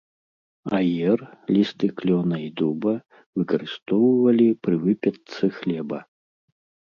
Аер, лісты клёна і дуба выкарыстоўвалі пры выпечцы хлеба.